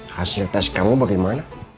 hasil tes kamu bagaimana